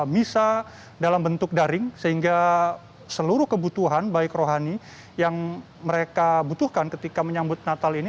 misa dalam bentuk daring sehingga seluruh kebutuhan baik rohani yang mereka butuhkan ketika menyambut natal ini